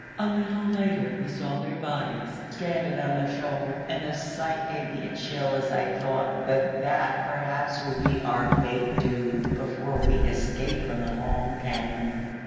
A little later we saw their bodies stranded on a shoal, and the sight gave me a chill as I thought that that perhaps would be our fate, too, before we escaped from the Long Cañon.